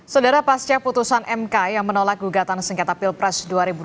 saudara pasca putusan mk yang menolak gugatan sengketa pilpres dua ribu dua puluh